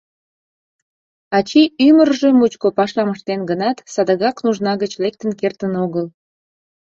Ачий ӱмыржӧ мучко пашам ыштен гынат, садыгак нужна гыч лектын кертын огыл.